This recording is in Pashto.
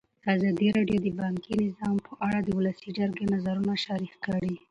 ازادي راډیو د بانکي نظام په اړه د ولسي جرګې نظرونه شریک کړي.